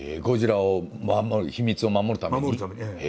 「ゴジラ」を守る秘密を守るために？